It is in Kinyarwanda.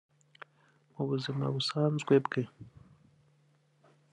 Mu buzima busanzwe bwe